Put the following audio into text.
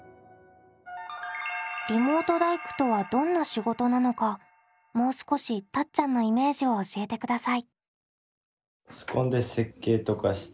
リモート大工とはどんな仕事なのかもう少したっちゃんのイメージを教えてください。